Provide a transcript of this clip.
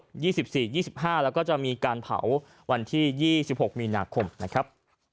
๒๔๒๕แล้วก็จะมีการเผาวันที่๒๖มีนาคมนะครับ